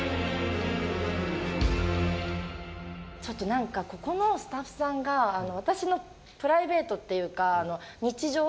ちょっと何かここのスタッフさんが私のプライベートっていうか。